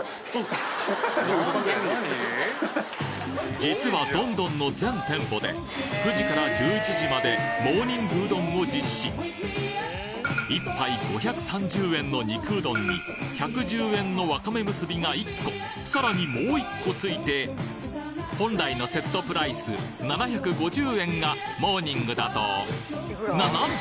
実はどんどんの全店舗で９時から１１時までモーニングうどんを実施一杯５３０円の肉うどんに１１０円のわかめむすびが１個さらにもう１個ついて本来のセットプライス７５０円がモーニングだとななんと！